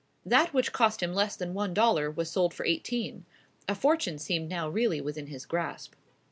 That which cost him less than one dollar was sold for eighteen. A fortune seemed now really within his grasp.